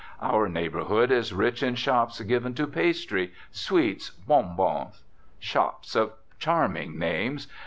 Our neighbourhood is rich in shops given to "pastry," "sweets," "bon bons." Shops of charming names!